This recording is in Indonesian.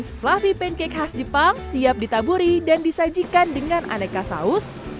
fluffy pancake khas jepang siap ditaburi dan disajikan dengan aneka saus